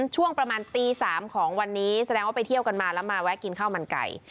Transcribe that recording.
ช่วงประมาณตี๓ของวันนี้แสดงว่าไปเที่ยวกันมาแล้วมาแวะกินข้าวมันไก่